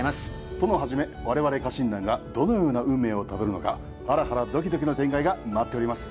殿はじめ我々家臣団がどのような運命をたどるのかハラハラドキドキの展開が待っております。